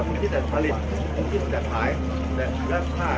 เมืองอัศวินธรรมดาคือสถานที่สุดท้ายของเมืองอัศวินธรรมดา